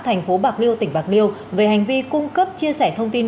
thành phố bạc liêu tỉnh bạc liêu về hành vi cung cấp chia sẻ thông tin